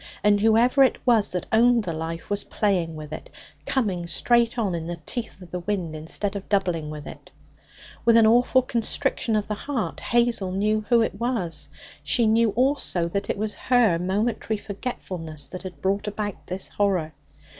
And whoever it was that owned the life was playing with it, coming straight on in the teeth of the wind instead of doubling with it. With an awful constriction of the heart, Hazel knew who it was. She knew also that it was her momentary forgetfulness that had brought about this horror.